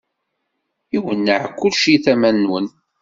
Iwenneɛ kullec di tama-nwen.